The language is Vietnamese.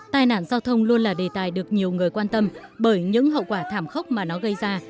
tai nạn giao thông luôn là đề tài được nhiều người quan tâm bởi những hậu quả thảm khốc mà nó gây ra